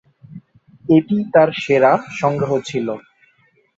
এটিই তার সেরা সংগ্রহ ছিল।